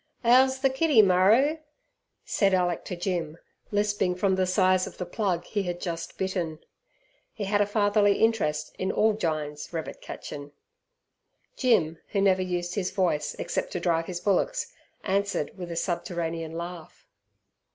"Ow's ther kiddy maroo?" said Alick to Jim, lisping from the size of the plug he had just bitten. He had a fatherly interest in all Jyne's "rabbit ketchin'". Jim, who never used his voice except to drive his bullocks, answered with a subterranean laugh.